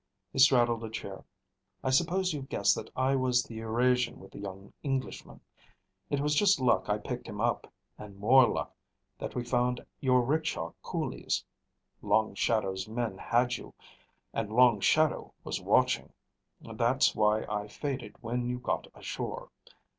He straddled a chair. "I suppose you've guessed that I was the Eurasian with the young Englishman. It was just luck I picked him up, and more luck that we found your rickshaw coolies. Long Shadow's men had you, and Long Shadow was watching. That's why I faded when you got ashore.